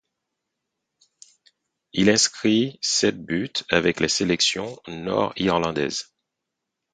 Il inscrit sept buts avec les sélections nord-irlandaises.